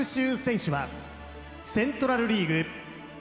［さらに］セントラル・リーグ